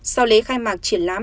sau lễ khai mạc triển lãm